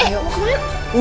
eh mau kemana